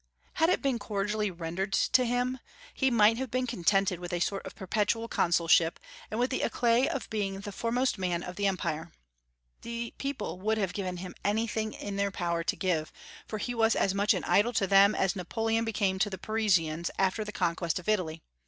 Had it been cordially rendered to him, he might have been contented with a sort of perpetual consulship, and with the éclat of being the foremost man of the Empire. The people would have given him anything in their power to give, for he was as much an idol to them as Napoleon became to the Parisians after the conquest of Italy.